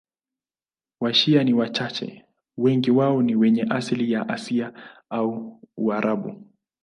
Washia ni wachache, wengi wao ni wenye asili ya Asia au Uarabuni.